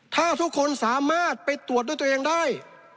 ถ้าทุกคนสามารถไปตรวจด้วยตัวเองได้